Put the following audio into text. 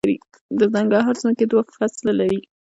د ننګرهار ځمکې دوه فصله دي